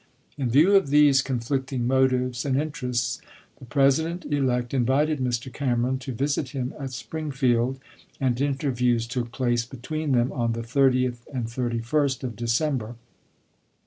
In view of these conflicting motives and inter ests, the President elect invited Mr. Cameron to visit him at Springfield, and interviews took place between them on the 30th and 31st of December.